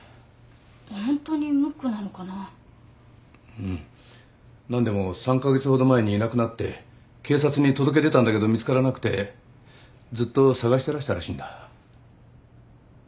うん何でも３カ月ほど前にいなくなって警察に届け出たんだけど見つからなくてずっと捜してらしたらしいんだ。